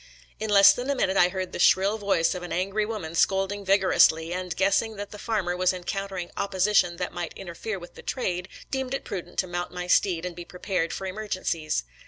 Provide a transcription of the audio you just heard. In less than a minute I heard the shrill voice of an angry woman scolding vigorously, and, guessing that the farmer was encountering opposition that might interfere with the trade, deemed it prudent to mount my steed and be prepared for emergen cies.